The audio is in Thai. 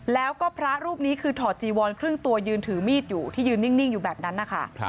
แล้วก็พระรูปนี้คือถอดจีวอนครึ่งตัวยืนถือมีดอยู่ที่ยืนนิ่งอยู่แบบนั้นนะคะ